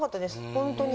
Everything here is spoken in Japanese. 本当に。